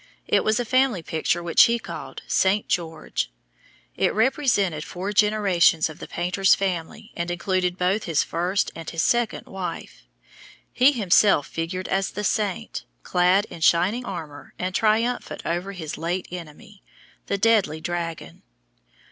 It was a family picture which he called "St. George." It represented four generations of the painter's family and included both his first and his second wife. He himself figured as the Saint, clad in shining armor and triumphant over his late enemy, the deadly dragon.